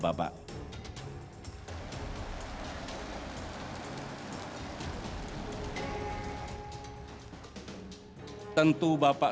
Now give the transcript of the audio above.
bapak bapak yang sangat baik